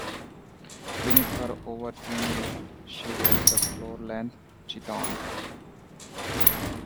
Beneath her overtunic she wears a floor-length "chiton".